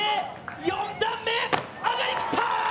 ４段目上がりきった！